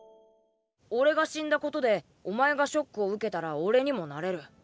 俺が死んだことでお前がショックを受けたら俺にもなれる。